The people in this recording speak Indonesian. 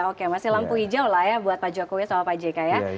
oke masih lampu hijau lah ya buat pak jokowi sama pak jk ya